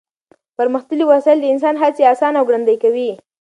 پرمختللې وسایل د انسان هڅې اسانه او ګړندۍ کوي.